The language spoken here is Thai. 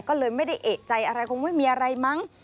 ก็เลยไม่ได้เอกใจอะไรคงไม่มีอะไรมั้ง